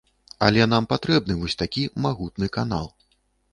Але нам патрэбны вось такі магутны канал.